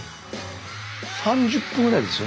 ３０分ぐらいですよね